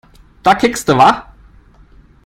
Da kiekste wa?